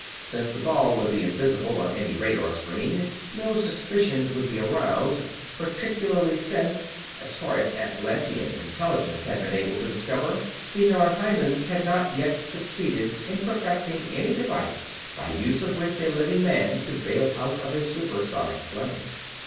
Since the ball would be invisible on any radar screen, no suspicion would be aroused; particularly since as far as Atlantean Intelligence had been able to discover the Norheimans had not yet succeeded in perfecting any device by the use of which a living man could bail out of a super sonic plane.